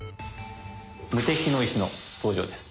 「無敵の石」の登場です。